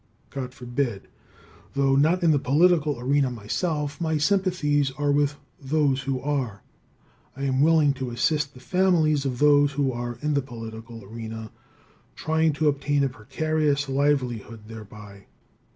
God forbid. Though not in the political arena myself, my sympathies are with those who are. I am willing to assist the families of those who are in the political arena trying to obtain a precarious livelihood thereby.